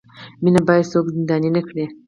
مینه باید څوک زنداني نه کړي.